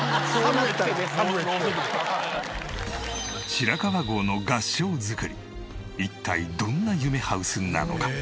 白川郷の合掌造り一体どんな夢ハウスなのか？